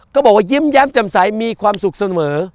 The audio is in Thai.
บอกว่ายิ้มแย้มจำใสมีความสุขเสมอ